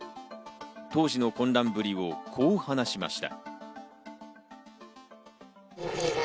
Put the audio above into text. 当時の混乱ぶりをこう話しました。